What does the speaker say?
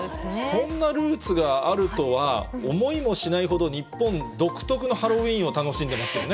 そんなルーツがあるとは思いもしないほど、日本独特のハロウィーンを楽しんでますよね。